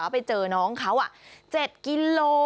แล้วไปเจอน้องเขาอ่ะเจ็ดกิโล